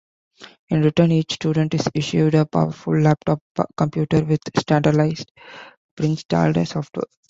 In return each student is issued a powerful laptop computer with standardized, preinstalled software.